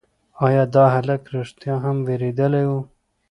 ایا دا هلک رښتیا هم وېرېدلی و؟